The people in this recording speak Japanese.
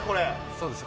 そうです